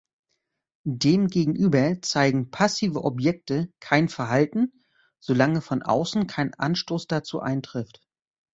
Demgegenüber zeigen "passive Objekte" kein Verhalten, solange von außen kein Anstoß dazu eintrifft.